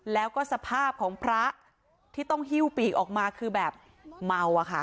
แล้วก็สภาพของพระที่ต้องหิ้วปีกออกมาคือแบบเมาอะค่ะ